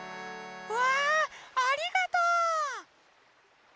うわありがとう！